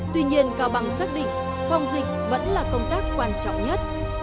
tuy nhiên cao bằng xác định phòng dịch vẫn là công tác quan trọng nhất